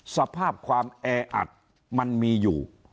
สภาพความแออัดมันมีอยู่